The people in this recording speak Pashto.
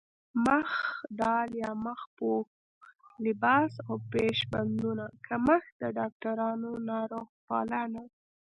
مخ ډال يا مخ پوښ، لباس او پيش بندونو کمښت د ډاکټرانو، ناروغپالانو